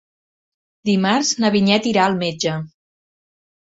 Dimarts na Vinyet irà al metge.